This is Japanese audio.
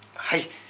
はい。